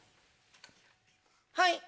はい。